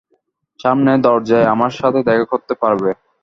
সামনের দরজায় আমার সাথে দেখা করতে পারবে?